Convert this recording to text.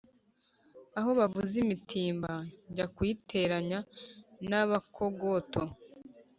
aho bavuze imitimba njya kuyiteranya n'abakogoto